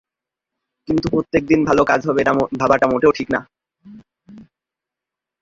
কিন্তু প্রত্যেক দিন ভালো কাজ হবে, এটা ভাবাটা মোটেও ঠিক না।